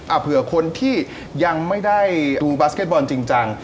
เผื่อคนที่ยังไม่ได้ดูบาสเก็ตบอลจริงจัง